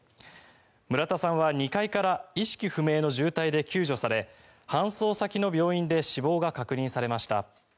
村田さんは２階から意識不明の重体で救助され搬送先の病院で死亡が確認されました。